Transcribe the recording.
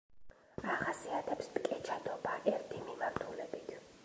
ახასიათებს ტკეჩადობა ერთი მიმართულებით.